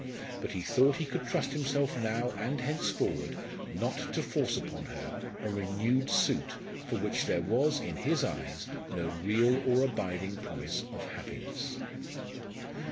But he thought he could trust himself now and henceforward not to force upon her a renewed suit for which there was in his eyes no real or abiding promise of happiness.